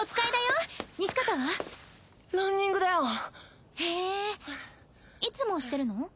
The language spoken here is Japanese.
いつもしてるの？